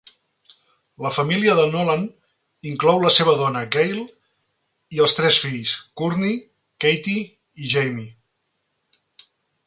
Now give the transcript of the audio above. La família de Nolan inclou la seva dona, Gail, i els tres fills, Courtney, Katie i Jamie.